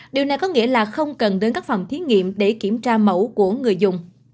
điều này có nghĩa là không cần đến các phòng thí nghiệm để kiểm tra mẫu của người dùng